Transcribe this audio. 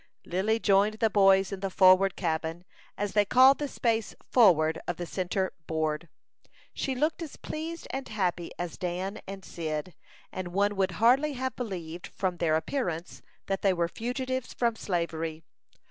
Lily joined the boys in the forward cabin, as they called the space forward of the centre board. She looked as pleased and happy as Dan and Cyd; and one would hardly have believed, from their appearance, that they were fugitives from slavery.